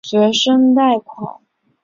学生贷款。